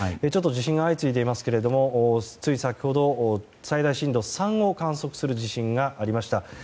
ちょっと地震が相次いでいますがつい先ほど、最大震度３を観測する地震がありました。